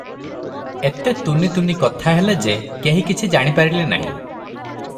ଏତେ ତୁନି ତୁନି କଥା ହେଲେ ଯେ, କେହି କିଛି ଜାଣି ପାରିଲେ ନାହିଁ ।